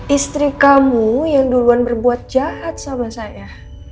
istri kamu yang duluan berbuat jahat sama saya